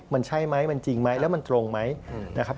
มันใช่ไหมมันจริงไหมแล้วมันตรงไหมนะครับ